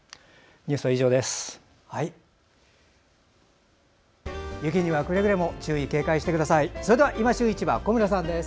ニュースは以上です。